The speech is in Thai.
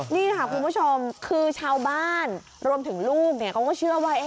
นี่ค่ะคุณผู้ชมคือชาวบ้านรวมถึงลูกเขาก็เชื่อว่า